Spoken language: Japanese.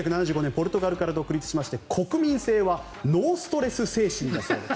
ポルトガルから独立しまして国民性はノーストレス精神だそうです。